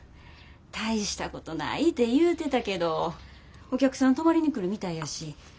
大したことないて言うてたけどお客さん泊まりに来るみたいやし。